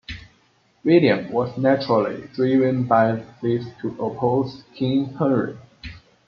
William was naturally driven by this to oppose King Henry.